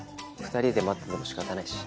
２人で待ってても仕方ないし。